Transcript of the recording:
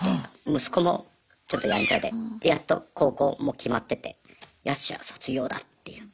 息子もちょっとやんちゃででやっと高校も決まっててよっしゃ卒業だっていう。